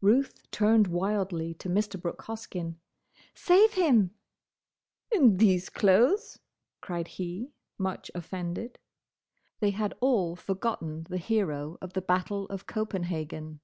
Ruth turned wildly to Mr. Brooke Hoskyn. "Save him!" "In these clothes!" cried he, much offended. They had all forgotten the hero of the Battle of Copenhagen.